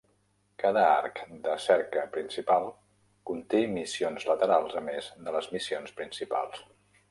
Cada arc de cerca principal conté missions laterals a més de les missions principals.